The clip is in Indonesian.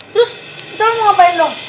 terus kita mau ngapain dong